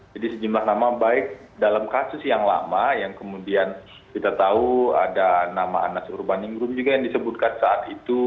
jadi sejumlah nama baik dalam kasus yang lama yang kemudian kita tahu ada nama anas urbaningrum juga yang disebutkan saat itu